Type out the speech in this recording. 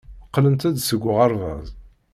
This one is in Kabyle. Qqlent-d seg uɣerbaz.